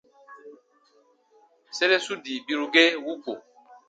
Sere su dii biru ge wuku.